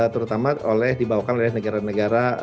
terutama oleh dibawakan oleh orang orang yang berumur lebih dekat